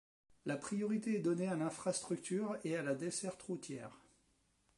La priorité est donnée à l’infrastructure et à la desserte routière.